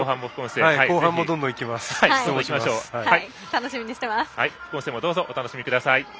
副音声もどうぞお楽しみください。